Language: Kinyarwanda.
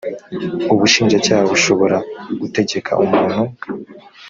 ubushinjacyaha bushobora gutegeka umuntu